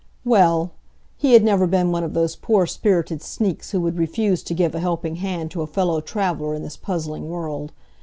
Well! he had never been one of those poor spirited sneaks who would refuse to give a helping hand to a fellow traveller in this puzzling world.